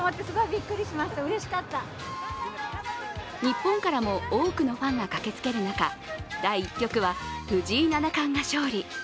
日本からも多くのファンが駆けつける中、第１局は藤井七冠が勝利。